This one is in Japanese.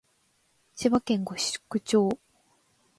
千葉県御宿町